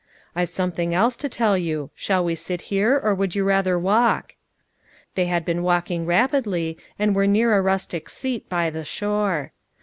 "I've something else to tell you; shall we sit here, or would you rather walk?" They had heen walking rapidly and were near a rustic seat by the shore.